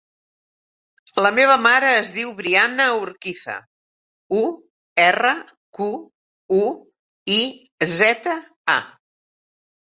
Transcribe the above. La meva mare es diu Brianna Urquiza: u, erra, cu, u, i, zeta, a.